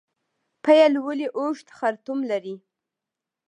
پیل ولې اوږد خرطوم لري؟